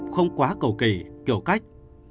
không quá cầu kỳ kiểu cách